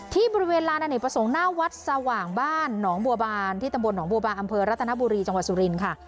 ที่บริเวณลานอเนกประสงค์หน้าวัดสว่างบ้านหนองบัวบานที่ตำบลหนองบัวบานอำเภอรัตนบุรีจังหวัดสุรินทร์ค่ะ